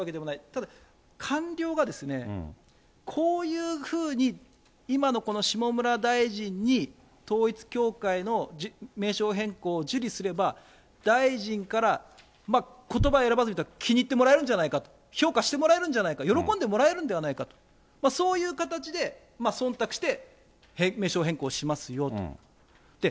ただ、官僚がこういうふうに、今のこの下村大臣に、統一教会の名称変更を受理すれば、大臣から、ことば選ばずに言ったら気に入ってもらえるんじゃないか、評価してもらえるんじゃないか、喜んでもらえるんじゃないかと、そういう形でそんたくして名称変更しますよって。